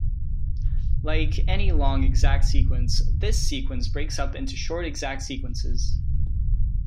Like any long exact sequence, this sequence breaks up into short exact sequences.